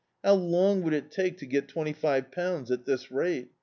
How long would it take to get twenty five pounds, at this rate?